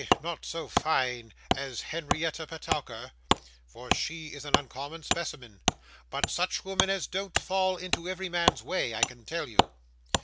not so fine as Henrietta Petowker, for she is an uncommon specimen, but such women as don't fall into every man's way, I can tell you.